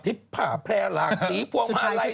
ผ่าแพร่หลากสีพวงมาลัย